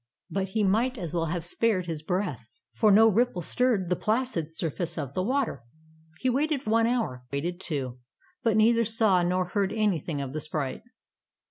But he might as well have spared his breath, for no ripple stirred the placid surface of the water. He waited one hour, he waited two, but neither saw nor heard anything of the sprite.